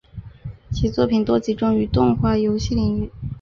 其作品多集中于动画游戏领域。